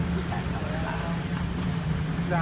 ที่แข่งทะเลาดา